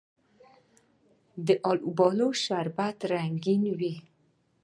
د الوبالو شربت رنګین وي.